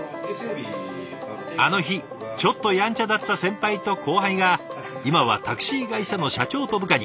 あの日ちょっとヤンチャだった先輩と後輩が今はタクシー会社の社長と部下に。